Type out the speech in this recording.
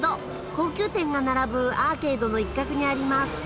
高級店が並ぶアーケードの一角にあります。